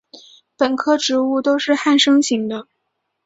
本科植物都是旱生型的。